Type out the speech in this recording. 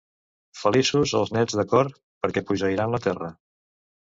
Feliços els nets de cor, perquè posseiran la terra.